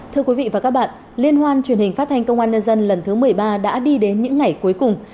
thưa quý vị và các bạn liên hoan truyền hình phát thanh công an nhân dân lần thứ một mươi ba đã đi đến những ngày cuối cùng